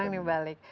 sekarang ini bali